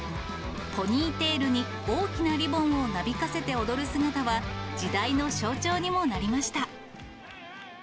ポニーテールに大きなリボンをなびかせて踊る姿は、時代の象徴にもなりました。